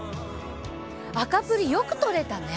赤プリよく取れたね。